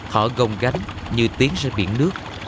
họ gồng gánh như tiến ra biển nước